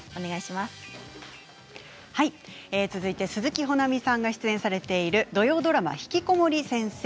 続いて鈴木保奈美さんが出演されている土曜ドラマ「ひきこもり先生」。